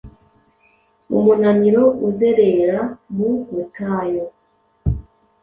Umunaniro uzerera mu butayu?